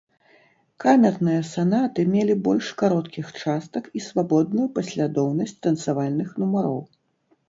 Камерныя санаты мелі больш кароткіх частак і свабодную паслядоўнасць танцавальных нумароў.